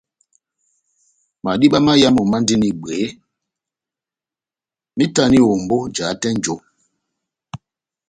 Madiba máyamu mandini bwehé, mahitani ombó jahate nʼnjo.